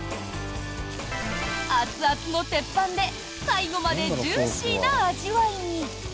熱々の鉄板で最後までジューシーな味わいに。